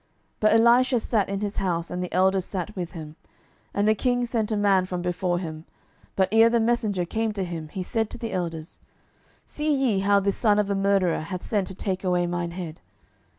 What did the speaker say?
12:006:032 But Elisha sat in his house, and the elders sat with him; and the king sent a man from before him: but ere the messenger came to him, he said to the elders, See ye how this son of a murderer hath sent to take away mine head?